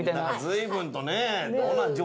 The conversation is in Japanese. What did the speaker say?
随分とね。